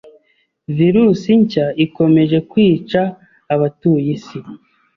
Virus nshya ikomeje kwica abatuye isi